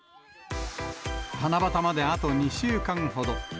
七夕まであと２週間ほど。